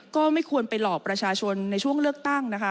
ก็ไม่ควรไปหลอกประชาชนในช่วงเลือกตั้งนะคะ